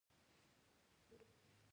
انګور د افغان ځوانانو د هیلو استازیتوب کوي.